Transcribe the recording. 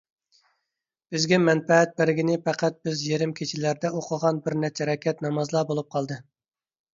بىزگە مەنپەئەت بەرگىنى پەقەت بىز يېرىم كېچىلەردە ئوقۇغان بىر نەچچە رەكەت نامازلا بولۇپ قالدى.